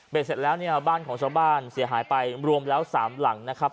เสร็จแล้วเนี่ยบ้านของชาวบ้านเสียหายไปรวมแล้ว๓หลังนะครับ